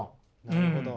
なるほど。